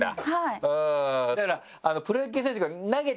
だから。